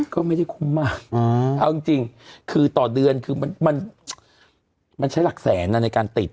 ก็ไม่ได้คุ้มมากเอาจริงคือต่อเดือนคือมันใช้หลักแสนในการติด